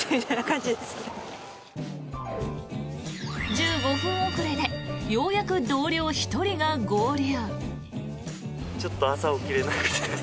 １５分遅れでようやく同僚１人が合流。